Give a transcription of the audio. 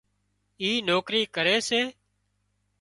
اي نوڪري ڪري سي